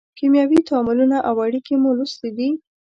کیمیاوي تعاملونه او اړیکې مو لوستې دي.